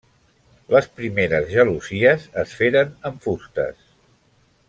Les primeres gelosies es feren amb fustes.